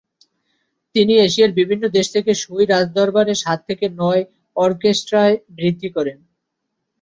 তিনি এশিয়ার বিভিন্ন দেশ থেকে সুই রাজদরবারে সাত থেকে নয় অর্কেস্ট্রায় বৃদ্ধি করেন।